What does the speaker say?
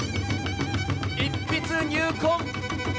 一筆入魂。